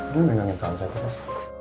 gak ada yang ngantangin saya terus